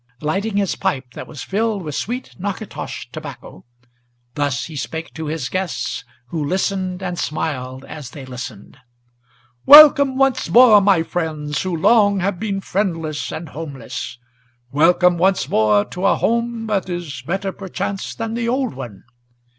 Lighting his pipe, that was filled with sweet Natchitoches tobacco, Thus he spake to his guests, who listened, and smiled as they listened: "Welcome once more, my friends, who long have been friendless and homeless, Welcome once more to a home, that is better perchance than the old one!